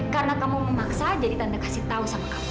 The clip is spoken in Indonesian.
karena kamu memaksa jadi tante kasih tahu sama kamu